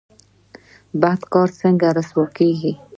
بد کار څنګه رسوا کیږي؟